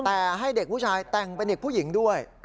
แต่ให้เด็กผู้ชายแต่งเป็นเด็กผู้หญิงด้วย